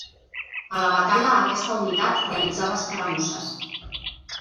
A la batalla aquesta unitat realitzava escaramusses.